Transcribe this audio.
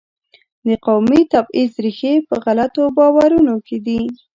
د قومي تبعیض ریښې په غلطو باورونو کې دي.